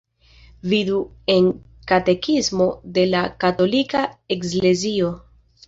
Vidu en Katekismo de la Katolika Eklezio.